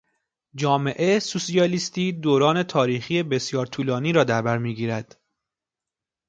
جامعهٔ سوسیالیستی دوران تاریخی بسیار طولانی را در بر میگیرد.